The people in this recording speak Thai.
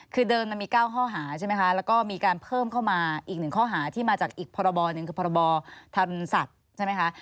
คือเดิมมันมี๙ข้อหาใช่ไหมคะแล้วก็มีการเพิ่มเข้ามาอีกหนึ่งข้อหาที่มาจากอีกพรบหนึ่งคือพรบธรรมสัตว์ใช่ไหมคะ